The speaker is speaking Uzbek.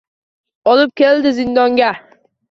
Olib keldi zindonga.